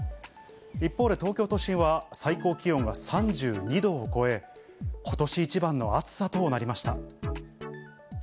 一方で、東京都心は最高気温が３２度を超え、ことし一番の暑さとなりました。